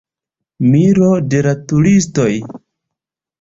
Miro de la turistoj.